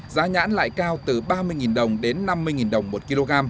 giá nhãn lại cao từ ba mươi đồng đến năm mươi đồng một kg